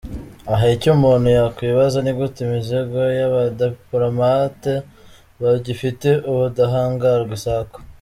Aha icyo umuntu yakwibaza nigute imizigo y’Abadipolomate bagifite ubudahangarwa isakwa ?